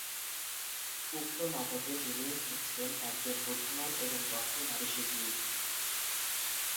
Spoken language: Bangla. উক্ত নাটকে তিনি হচ্ছেন একজন বুদ্ধিমান এবং দক্ষ নারীশিল্পী।